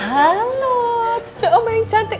halo cucu omba yang cantik